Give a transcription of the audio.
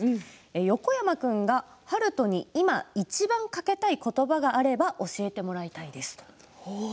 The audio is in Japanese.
横山君が悠人に今いちばんかけたい言葉があれば教えてもらいたいです。